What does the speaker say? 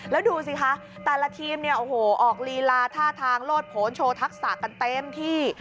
แล้วดูสิคะแต่ละทีมเนี่ยโอ้โหออกลีลาท่าทางโลดผลโชว์ทักษะกันเต็มที่